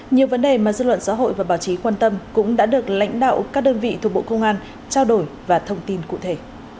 nhiều vấn đề mà dư luận xã hội và báo chí quan tâm cũng đã được lãnh đạo các đơn vị thuộc bộ công an trao đổi và thông tin cụ thể